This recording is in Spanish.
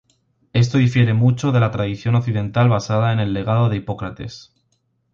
Esto difiere mucho de la tradición occidental basada en el legado de Hipócrates.